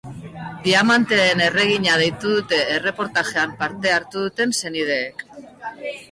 Diamanteen erregina deitu dute erreportajean parte hartu duten senideek.